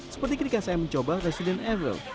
seperti ketika saya mencoba resident every